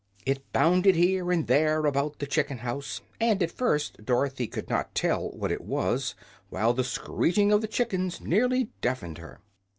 It bounded here and there about the chicken house, and at first Dorothy could not tell what it was, while the screeching of the chickens nearly deafened her.